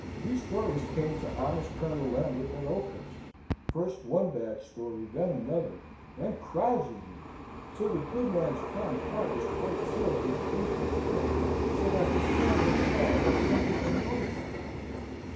These stories came to honest Colonel Lambert at Oakhurst: first one bad story, then another, then crowds of them, till the good man's kind heart was quite filled with grief and care, so that his family saw that something annoyed him.